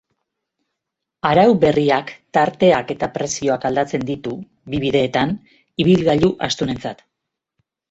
Arau berriak tarteak eta prezioak aldatzen ditu, bi bideetan, ibilgailu astunentzat.